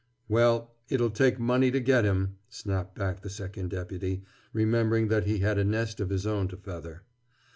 "Well, it'll take money to get him," snapped back the Second Deputy, remembering that he had a nest of his own to feather.